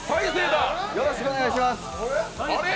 よろしくお願いします。